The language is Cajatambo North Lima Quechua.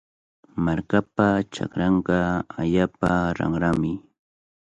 Markapa chakranqa allaapa ranrami.